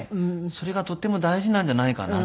それがとっても大事なんじゃないかなって。